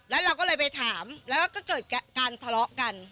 แล้วเราก็เลยไปถามแล้วก็เกิดการทะเลาะกัน